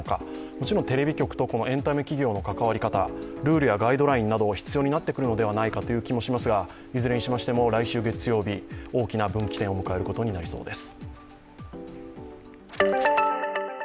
もちろんテレビ局とエンタメ企業の関わり方ルールやガイドラインなど必要になってくるのではないかという気もしますがいずれにしましても来週月曜日大きな分岐点を迎えることになりそうです。